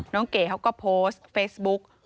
น้องเก๋ก็โพสต์เฟสบุ๊ค